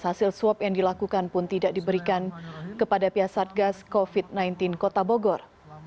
hasil swab yang dilakukan pun tidak diberikan kepada pihak satgas covid sembilan belas kota bogor